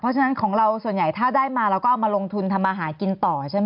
เพราะฉะนั้นของเราส่วนใหญ่ถ้าได้มาเราก็เอามาลงทุนทำมาหากินต่อใช่ไหม